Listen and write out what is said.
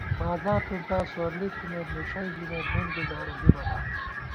بازار ٹُنٹا سورلی تھِمېت نِݭَئ ژَمېت نُن گزارہ بِبہ نا